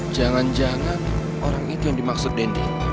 jangan jangan orang itu yang dimaksud dendy